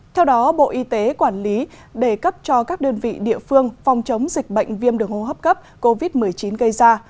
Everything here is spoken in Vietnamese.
theo đó bộ y tế quản lý đề cấp cho các đơn vị địa phương phòng chống dịch bệnh viêm đường hô hấp cấp covid một mươi chín gây ra